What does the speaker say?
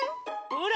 ほら！